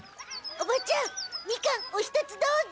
おばちゃんみかんお一つどうぞ。